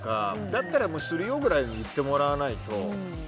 だったら、フォローするよくらい言ってもらわないと。